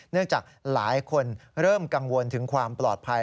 จากหลายคนเริ่มกังวลถึงความปลอดภัย